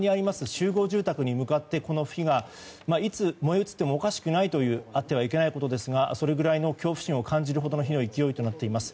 集合住宅に向かってこの火が、いつ燃え移ってもおかしくないというあってはいけないことですがそれぐらいの恐怖心を感じるほどの火の勢いとなっています。